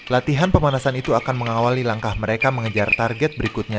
latihan pemanasan itu akan mengawali langkah mereka mengejar target berikutnya